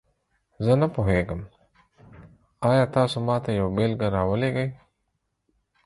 زه نه پوهیږم، آیا تاسو ماته یوه بیلګه راولیږئ؟